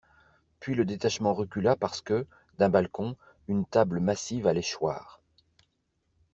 Puis le détachement recula parce que, d'un balcon, une table massive allait choir.